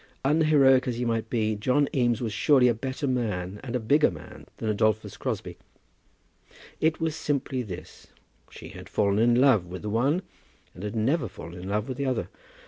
Unheroic as he might be, John Eames was surely a better man and a bigger man than Adolphus Crosbie. It was simply this; she had fallen in love with the one, and had never fallen in love with the other!